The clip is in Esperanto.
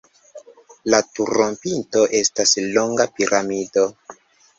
La turopinto estas longa piramido.